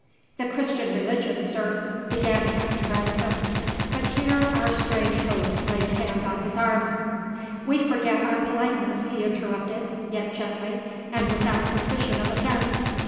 "The Christian religion, sir " began Captain Branscome. But here our strange host laid a hand on his arm. "We forget our politeness," he interrupted, yet gently, and without suspicion of offence.